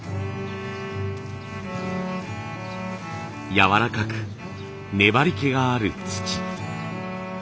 やわらかく粘りけがある土。